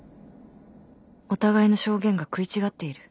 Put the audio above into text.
お互いの証言が食い違っている